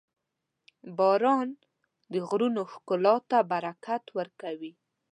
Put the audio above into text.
• باران د غرونو ښکلا ته برکت ورکوي.